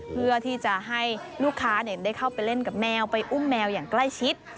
เพื่อที่จะให้ลูกค้าได้เข้าไปเล่นกับแมวไปอุ้มแมวอย่างใกล้ชิด